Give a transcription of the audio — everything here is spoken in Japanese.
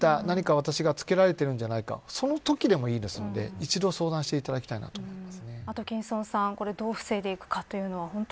私はつけられているんじゃないかそのときでもいいですので一度相談していただきたいと思います。